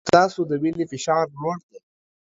ستاسو د وینې فشار لوړ دی.